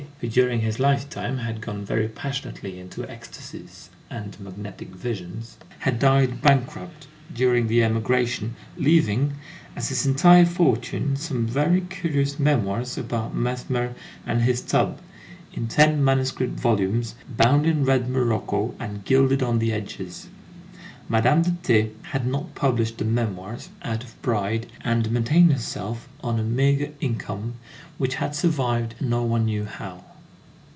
who, during his lifetime, had gone very passionately into ecstasies and magnetic visions, had died bankrupt, during the emigration, leaving, as his entire fortune, some very curious Memoirs about Mesmer and his tub, in ten manuscript volumes, bound in red morocco and gilded on the edges. Madame de T. had not published the memoirs, out of pride, and maintained herself on a meagre income which had survived no one knew how.